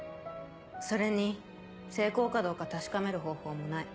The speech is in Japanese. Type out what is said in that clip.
それに成功かどうか確かめる方法もない。